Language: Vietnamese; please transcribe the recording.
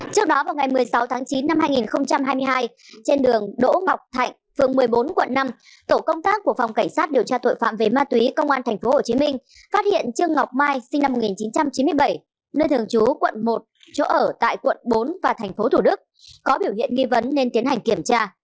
trước đó vào ngày một mươi sáu tháng chín năm hai nghìn hai mươi hai trên đường đỗ ngọc thạnh phường một mươi bốn quận năm tổ công tác của phòng cảnh sát điều tra tội phạm về ma túy công an tp hcm phát hiện trương ngọc mai sinh năm một nghìn chín trăm chín mươi bảy nơi thường trú quận một chỗ ở tại quận bốn và tp thủ đức có biểu hiện nghi vấn nên tiến hành kiểm tra